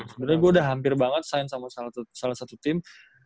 sebenarnya gue udah hampir banget sign sama salah satu tim